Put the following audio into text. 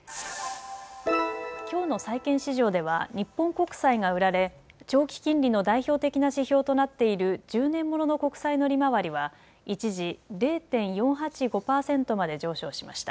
きょうの債券市場では、日本国債が売られ、長期金利の代表的な指標となっている１０年ものの国債の利回りは一時、０．４８５％まで上昇しました。